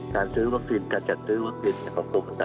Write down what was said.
การซื้อวัคซีนการจัดซื้อวัคซีน